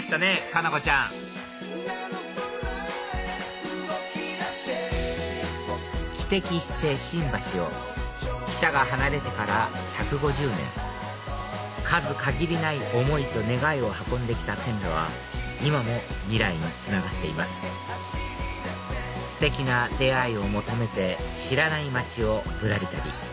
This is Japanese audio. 佳菜子ちゃん汽笛一声新橋を汽車が離れてから１５０年数限りない思いと願いを運んで来た線路は今も未来につながっていますステキな出会いを求めて知らない町をぶらり旅